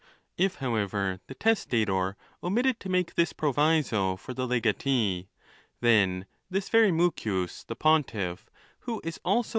If, however, the testator omitted to make this proviso for the. legatee, then this very Mucius the pontiff, who is also a, ON.